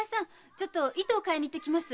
ちょっと糸を買いに行ってきます。